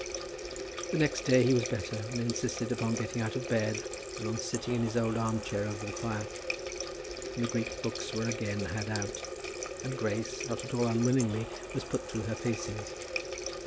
The next day he was better, and insisted upon getting out of bed, and on sitting in his old arm chair over the fire. And the Greek books were again had out; and Grace, not at all unwillingly, was put through her facings.